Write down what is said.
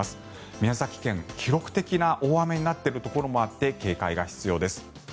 宮崎県、記録的な大雨になっているところもあって警戒が必要です。